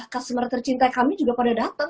customer tercinta kami juga pada datang